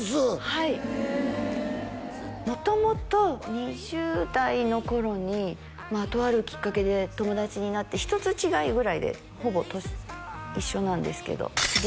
はい元々２０代の頃にとあるきっかけで友達になって１つ違いぐらいでほぼ年一緒なんですけどで